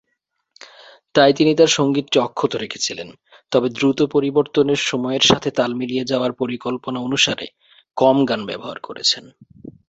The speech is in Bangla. তাই তিনি তার সংগীতটি অক্ষত রেখেছিলেন, তবে দ্রুত পরিবর্তনের সময়ের সাথে তাল মিলিয়ে যাওয়ার পরিকল্পনা অনুসারে কম গান ব্যবহার করেছেন।